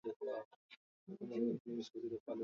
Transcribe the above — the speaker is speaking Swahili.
Kenya ilikuwa katika hali ya hatari kufuatia uasi wa Mau Mau